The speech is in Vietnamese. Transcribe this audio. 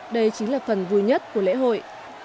đây chính là phần vui nhất của lễ hội